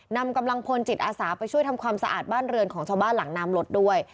นำกำลังพลจิตอาสาไปช่วยทำความสะอาดบ้านเรือนของชาวบ้านหลังน้ำรถด้วย